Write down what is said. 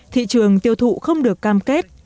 thị trường tiêu thụ không được cam kết